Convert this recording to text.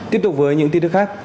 tiếp tục với những tin tức khác